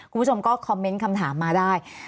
คุณผู้ชมก็คอมเมนต์คำถามมาได้